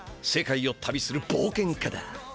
世界を旅する冒険家だ。